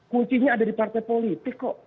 kuncinya ada di partai politik kok